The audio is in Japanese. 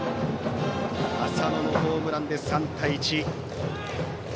浅野のホームランで３対１。